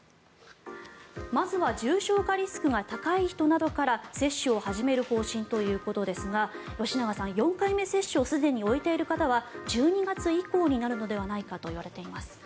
まずは重症化リスクが高い人などから接種を始める方針ということですが吉永さん、４回目接種をすでに終えている方は１２月以降になるのではないかといわれています。